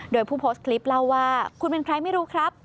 โดยผู้โพสต์คลิปเล่าว่าคุณเป็นใครไม่รู้ครับ